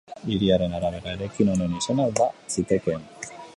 Hiriaren arabera, eraikin honen izena alda zitekeen.